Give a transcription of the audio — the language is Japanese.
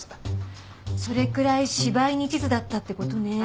それくらい芝居に一途だったって事ね。